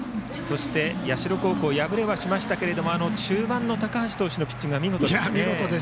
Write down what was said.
社高校、敗れはしましたが中盤の高橋投手のピッチングは見事でした。